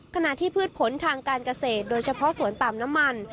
ขณะที่พืชผลทางการเกษตรโดยเฉพาะสวนปาล์มน้ำมัน